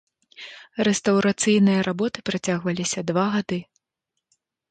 Рэстаўрацыйныя работы працягваліся два гады.